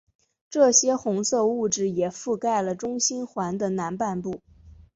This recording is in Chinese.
这些红色物质也覆盖了中心环的南半部。